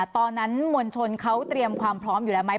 มวลชนเขาเตรียมความพร้อมอยู่แล้วไหม